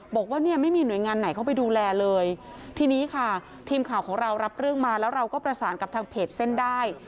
บอกว่าเนี่ยไม่มีหน่วยงานไหนเข้าไปดูแลเลยทีนี้ค่ะทีมข่าวของเรารับเรื่องมาแล้วเราก็ประสานกับทางเพจเส้นได้